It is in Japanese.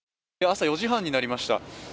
朝４時半になりました。